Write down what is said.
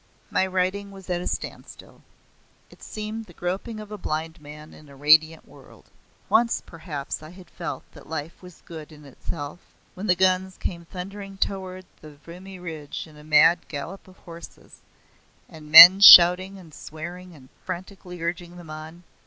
My writing was at a standstill. It seemed the groping of a blind man in a radiant world. Once perhaps I had felt that life was good in itself when the guns came thundering toward the Vimy Ridge in a mad gallop of horses, and men shouting and swearing and frantically urging them on.